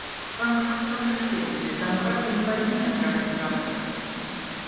Панкрату Кондратьеву без домкрата не поднять на тракте трактор.